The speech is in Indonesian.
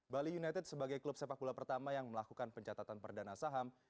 bali united sebagai klub sepak bola pertama yang melakukan pencatatan perdana saham